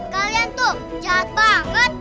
kalian tuh jahat banget